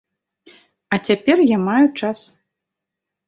А цяпер я маю час.